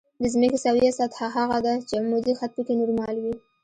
د ځمکې سویه سطح هغه ده چې عمودي خط پکې نورمال وي